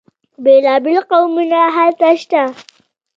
بیلا بیل قومونه هلته شته.